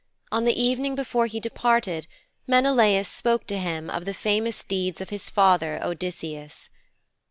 On the evening before he departed Menelaus spoke to him of the famous deeds of his father, Odysseus.